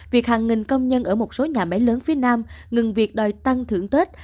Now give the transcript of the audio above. việc hàng nghìn công nhân ở một số nhà máy lớn phía nam ngừng việc đòi tăng thưởng tết